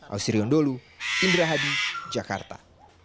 auserion dohlu indra hadi jakarta